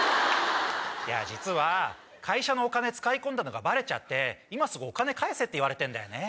実は会社のお金使い込んだのがバレちゃって今すぐ返せって言われてんだよ。